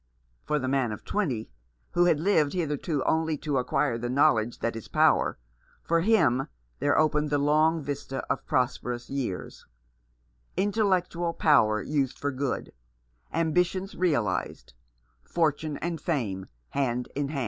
For the man of twenty, who had lived hitherto only to acquire the knowledge that is power, for him there opened the long vista of prosperous years ; intellectual power used for good ; ambitions realized ; fortune and fame hand in hand.